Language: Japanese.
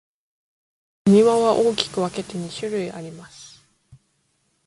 埴輪は大きく分けて二種類あります。